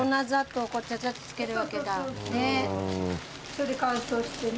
それで乾燥してね。